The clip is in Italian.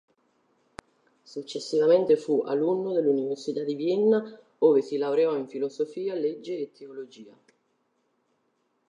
Successivamente fu alunno dell'Università di Vienna ove si laureò in filosofia, legge e teologia.